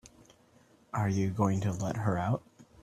Are you going to let her out?